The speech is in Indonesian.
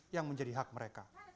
yang menjadi hak mereka